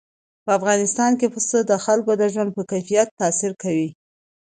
په افغانستان کې پسه د خلکو د ژوند په کیفیت تاثیر کوي.